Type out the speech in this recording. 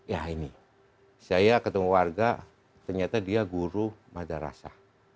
ya ini saya ketemu warga ternyata dia guru madrasah